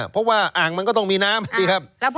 เพราะว่าอ่างมันก็ต้องมีน้ำ